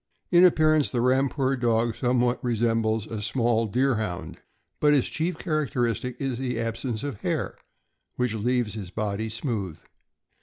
In appearance, the Rampur Dog somewhat resembles a small Deerhound, but his chief char acteristic is the absence of hair, which leaves his body smooth.